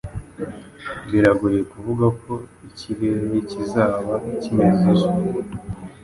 Biragoye kuvuga uko ikirere kizaba kimeze ejo.